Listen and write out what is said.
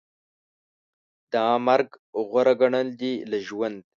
دا مرګ غوره ګڼل دي له ژوند